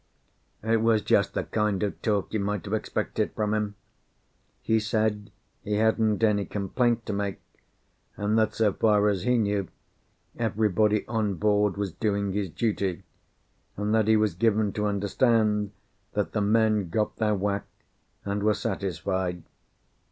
It was just the kind of talk you might have expected from him. He said he hadn't any complaint to make, and that so far as he knew everybody on board was doing his duty, and that he was given to understand that the men got their whack, and were satisfied.